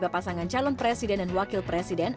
dua pasangan calon presiden dan wakil presiden